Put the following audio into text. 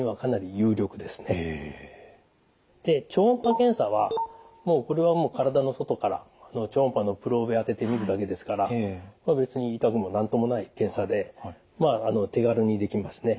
で超音波検査はこれはもう体の外から超音波のプローブ当てて診るだけですから別に痛くも何ともない検査で手軽にできますね。